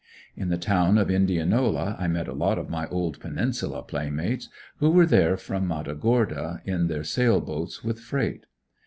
In the town of Indianola I met a lot of my old Peninsula playmates, who were there from Matagorda, in their sail boats, with freight.